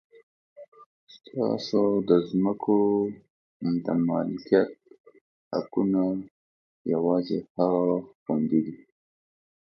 ستاسو د ځمکو د مالکیت حقونه یوازې هغه وخت خوندي دي.